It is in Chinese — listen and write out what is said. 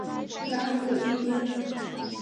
拉热伊翁。